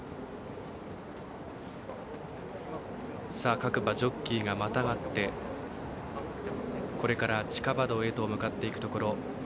各馬、ジョッキーがまたがってこれから地下馬道へと向かっていくところ。